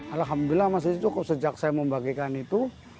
alhamdulillah masih cukup sejak saya membagikan itu